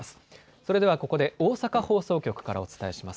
それでは、ここで大阪放送局からお伝えします。